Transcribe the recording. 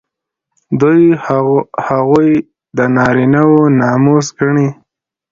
دوی هغوی د نارینه وو ناموس ګڼي.